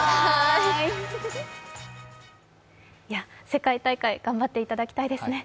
世界大会頑張っていただきたいですね。